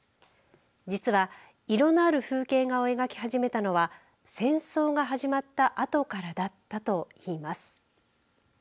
実は、色のある風景画を描き始めたのは戦争が始まったあとからだったと言います。